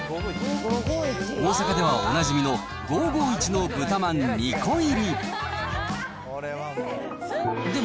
大阪ではおなじみの、５５１の豚まん２個入り。